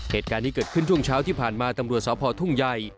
เหตุการณ์นี้เกิดขึ้นช่วงเช้าที่ผ่านมาตำรวจสพทุ่งใหญ่